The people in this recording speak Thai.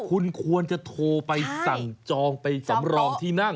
คุณควรจะโทรไปสั่งจองไปสำรองที่นั่ง